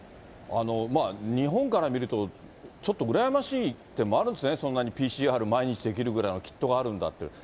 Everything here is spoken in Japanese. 日本から見ると、ちょっとうらやましい点もあるんですね、そんなにＰＣＲ、毎日できるぐらいのキットがあるんだって。